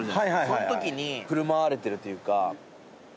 そんときに振る舞われてるというか。